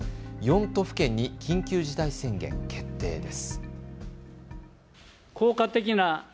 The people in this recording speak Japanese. ４都府県に緊急事態宣言決定です。